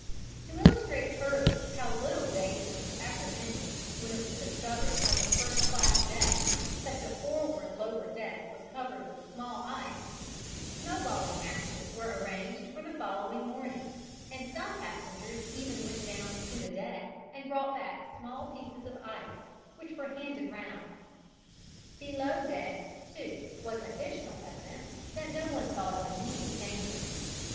To illustrate further how little danger was apprehended when it was discovered on the first class deck that the forward lower deck was covered with small ice, snowballing matches were arranged for the following morning, and some passengers even went down to the deck and brought back small pieces of ice which were handed round. Below decks too was additional evidence that no one thought of immediate danger.